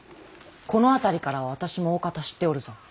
この辺りからは私もおおかた知っておるぞ。